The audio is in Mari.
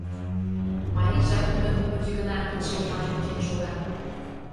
Марийжат тудым мӱндырч гына, кидше йымач ончен шога.